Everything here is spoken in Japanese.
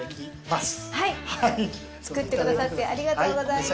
作ってくださってありがとうございます。